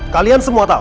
kalian semua tahu